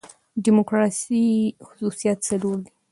د ډیموکراسۍ خصوصیات څلور دي.